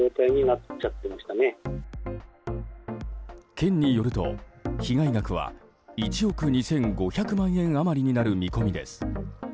県によると被害額は１億２５００万円余りになる見込みです。